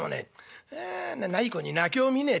『無い子に泣きを見ねえ』